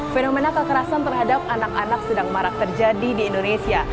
fenomena kekerasan terhadap anak anak sedang marak terjadi di indonesia